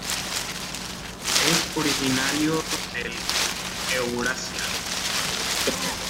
Es originario del Eurasia.